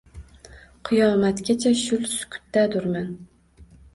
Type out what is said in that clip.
Qiyomatgacha shul sukutdadurman.